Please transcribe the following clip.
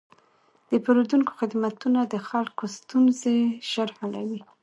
د پېرودونکو خدمتونه د خلکو ستونزې ژر حلوي.